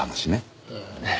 ええ。